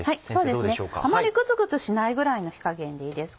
あまりグツグツしないぐらいの火加減でいいです。